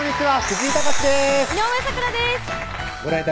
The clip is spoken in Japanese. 井上咲楽です